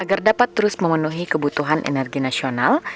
agar dapat terus memenuhi kebutuhan energi nasional